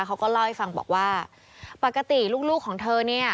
เขาก็เล่าให้ฟังบอกว่าปกติลูกของเธอเนี่ย